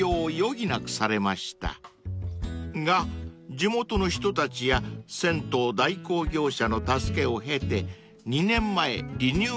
［が地元の人たちや銭湯代行業者の助けを経て］